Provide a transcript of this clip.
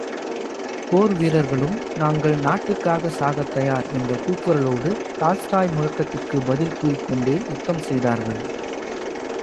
போர் வீரர்களும் நாங்கள் நாட்டுக்காக சாகத்தயார் என்ற கூக்குரலோடு டால்ஸ்டாய் முழக்கத்திற்குப் பதில் கூறிக் கொண்டே யுத்தம் செய்தார்கள்.